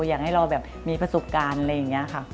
อยากให้เราแบบมีประสบการณ์อะไรอย่างนี้ค่ะ